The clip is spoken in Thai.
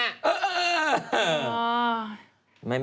ตะวงใช่เหรอ